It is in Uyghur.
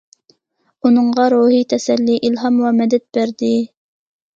ئۇنىڭغا روھىي تەسەللى، ئىلھام ۋە مەدەت بەردى.